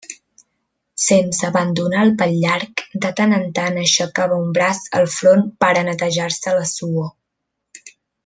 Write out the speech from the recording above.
Sense abandonar el pal llarg, de tant en tant aixecava un braç al front per a netejar-se la suor.